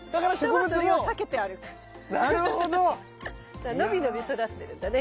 だから伸び伸び育ってるんだね